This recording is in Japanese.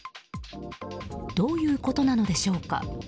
どういうことなのでしょうか。